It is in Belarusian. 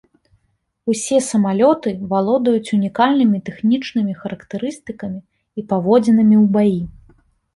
Усе самалёты валодаюць унікальнымі тэхнічнымі характарыстыкамі і паводзінамі ў баі.